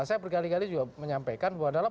saya berkali kali juga menyampaikan bahwa dalam